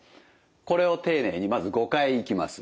これを丁寧にまず５回いきます。